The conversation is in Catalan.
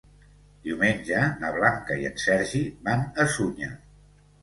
Diumenge na Blanca i en Sergi van a Sunyer.